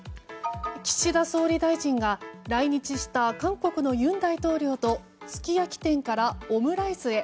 岸田総理大臣が来日した韓国の尹大統領とすき焼き店からオムライスへ。